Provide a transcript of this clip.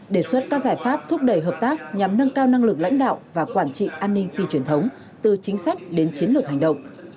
đề xuất các giải pháp thúc đẩy hợp tác nhằm nâng cao năng lực lãnh đạo và quản trị an ninh phi truyền thống từ chính sách đến chiến lược hành động